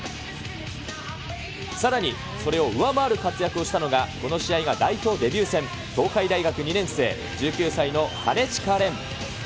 さらに、それを上回る活躍をしたのが、この試合が代表デビュー戦、東海大学２年生、１９歳の金近廉。